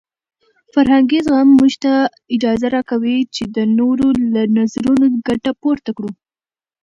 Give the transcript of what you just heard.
فرهنګي زغم موږ ته اجازه راکوي چې د نورو له نظرونو ګټه پورته کړو.